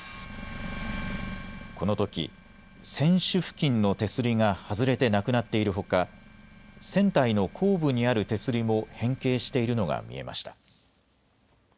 このとき船首付近の手すりが外れてなくなっているほか船体の後部にある手すりも変形しているのが見えました。